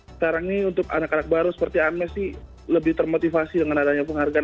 sekarang ini untuk anak anak baru seperti amnes sih lebih termotivasi dengan adanya penghargaan